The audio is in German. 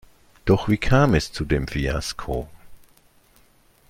Doch wie kam es zu dem Fiasko?